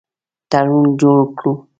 تړون جوړ کړو.